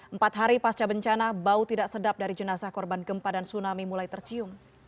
empat hari pasca bencana bau tidak sedap dari jenazah korban gempa dan tsunami mulai tercium